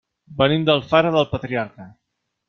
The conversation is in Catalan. Venim d'Alfara del Patriarca.